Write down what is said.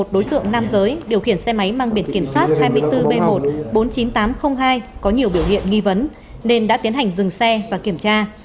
điều khiển xe máy mang biển kiểm soát hai mươi bốn b một bốn mươi chín nghìn tám trăm linh hai có nhiều biểu hiện nghi vấn nên đã tiến hành dừng xe và kiểm tra